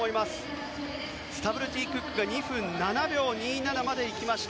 スタブルティ・クックが２分７秒２７まで行きました。